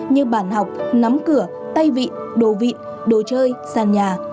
như bàn học nắm cửa tay vịn đồ vịn đồ chơi sàn nhà